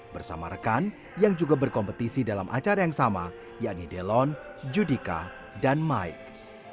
bersama rekan yang juga berkompetisi dalam acara yang sama yakni delon judika dan mike